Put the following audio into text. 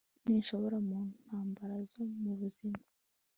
nishora mu ntambara zo mu buzima